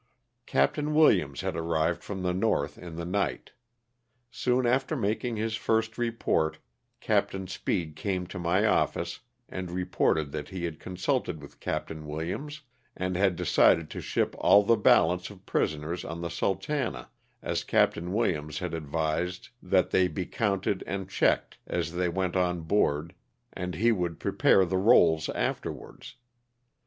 " Capt. Williams had arrived from the north in the night. Soon after making his first report Capt. Speed came to my office and report^^d that he had consulted with Capt. Williams and had decided to ship all the balance of prisoners on the * Sultana,' as Capt. Williams had advised that they be counted and checked as they went on board and he would prepare the LOSS OF THE SULTAISTA. 23 rolls afterwards.